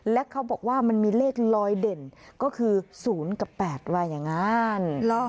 และเขาบอกว่ามันมีเลขลอยเด่นก็คือ๐กับ๘ว่าอย่างนั้น